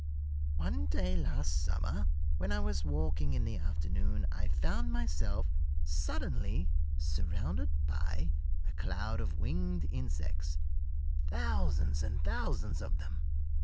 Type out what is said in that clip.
One day last summer, when I was walking in the afternoon, I found myself suddenly surrounded by a cloud of winged insects thousands and thousands of them.